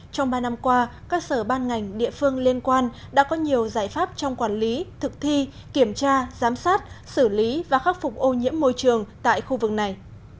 trong ba năm qua các sở ban ngành địa phương liên quan đã có nhiều giải pháp trong quản lý thực thi kiểm tra giám sát xử lý và khắc phục ô nhiễm môi trường tại khu vực này